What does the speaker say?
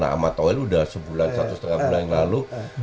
nah ahmad toil sudah sebulan satu setengah bulan yang lalu